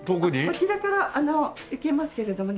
こちらから行けますけれどもね